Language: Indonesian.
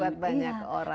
buat banyak orang